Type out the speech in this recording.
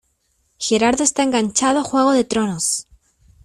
Gerardo está enganchado a Juego de tronos.